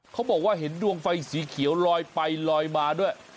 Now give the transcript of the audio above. เขาบอกว่าเห็นดวงไฟสีเขียวลอยไปลอยมาด้วย